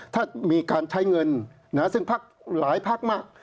ถ้ามีการใช้เงินซึ่งหลายภาคมาก